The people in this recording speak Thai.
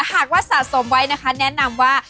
หากว่าสะสมไว้นะคะแนะนำว่า